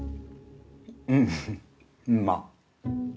うんまぁ。